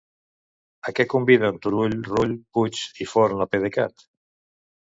A què conviden Turull, Rull, Puig i Forn a PDECat?